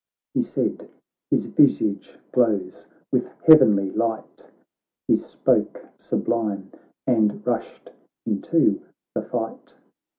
He said ; his visage glows with heavenly light ; He spoke sublime, and rushed into the fight.